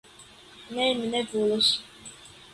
Ne, mi ne volas.